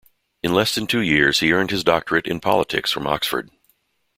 In less than two years he earned his doctorate in politics from Oxford.